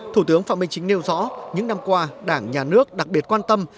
thủ tướng phạm minh chính nêu rõ những năm qua đảng nhà nước đặc biệt quan tâm